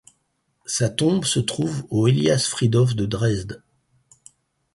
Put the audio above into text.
Sa tombe se trouve au Eliasfriedhof de Dresde.